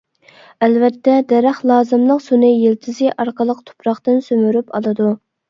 ئەلۋەتتە، دەرەخ لازىملىق سۇنى يىلتىزى ئارقىلىق تۇپراقتىن سۈمۈرۈپ ئالىدۇ.